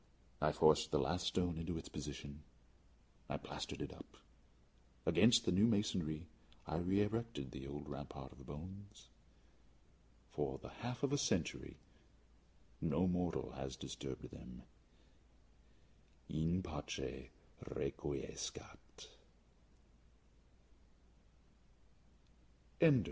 I forced the last stone into its position; I plastered it up. Against the new masonry I re erected the old rampart of bones. For the half of a century no mortal has disturbed them. _In pace requiescat!